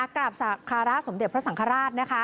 กราบสักการะสมเด็จพระสังฆราช